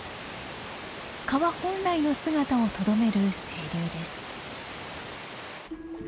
川本来の姿をとどめる清流です。